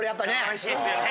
おいしいですよね。